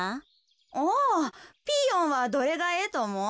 ああピーヨンはどれがええとおもう？